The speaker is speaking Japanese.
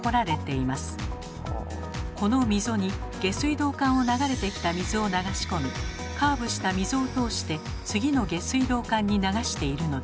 この溝に下水道管を流れてきた水を流し込みカーブした溝を通して次の下水道管に流しているのです。